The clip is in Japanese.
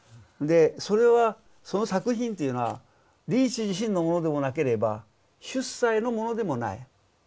でそれはその作品というのはリーチ自身のものでもなければ出西のものでもない。